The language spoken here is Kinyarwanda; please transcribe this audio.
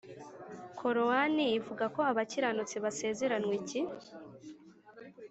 korowani ivuga ko abakiranutsi basezeranywa iki?